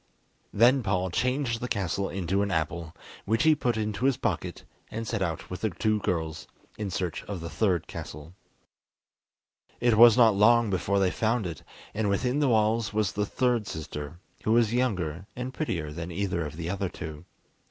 Then Paul changed the castle into an apple, which he put into his pocket, and set out with the two girls in search of the third castle. It was not long before they found it, and within the walls was the third sister, who was younger and prettier than either of the other two.